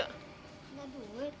gak ada duit